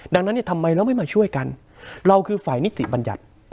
ดังนั้นเนี่ยทำไมเราไม่มาช่วยกันเราคือฝ่ายนิติบัญญัติ